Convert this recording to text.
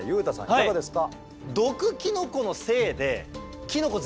いかがですか？